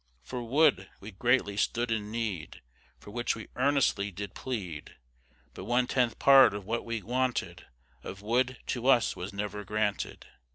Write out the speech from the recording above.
For wood we greatly stood in need, For which we earnestly did plead; But one tenth part of what we wanted Of wood, to us was never granted.